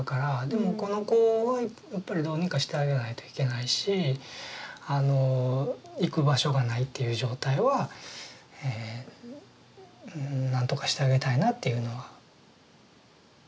でもこの子はやっぱりどうにかしてあげないといけないしあの行く場所がないっていう状態は何とかしてあげたいなっていうのは。